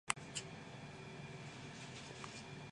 It is the administrative headquarters of Shahdol District.